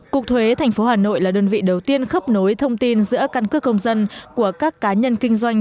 cục thuế tp hà nội là đơn vị đầu tiên khớp nối thông tin giữa căn cước công dân của các cá nhân kinh doanh